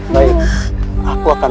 baik aku akan